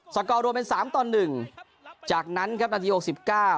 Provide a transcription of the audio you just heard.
สะกอดวงเป็น๓๑จากนั้นครับนาที๖๙